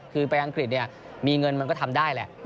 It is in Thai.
คือไปอังกฤษเนี่ยมีเงินมันก็ทำได้แหละ